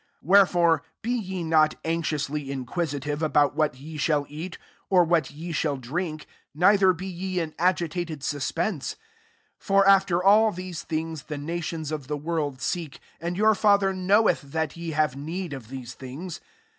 29 Whereforet be ye not anxiously inquisitive libout whM ye shall eat, or what ye sbi drink; neither be ye in i^tatai suspense. 30 For af^er all (hen things the nations of Uie wofM seek; and your Father knowelk that ye have need of these things.